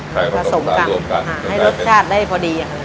ใส่รสชาติรวมกันจะได้เป็นผสมกันให้รสชาติได้พอดี